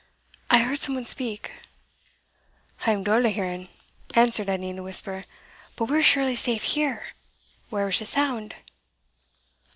I heard some one speak." "I am dull o' hearing," answered Edie, in a whisper, "but we're surely safe here where was the sound?"